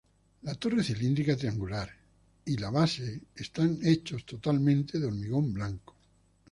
La torre cilíndrica triangular y de base están hechos totalmente de hormigón blanco.